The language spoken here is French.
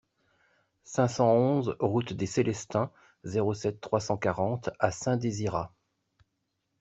cinq cent onze route des Célestins, zéro sept, trois cent quarante à Saint-Désirat